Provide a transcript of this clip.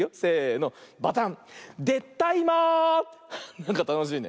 なんかたのしいね。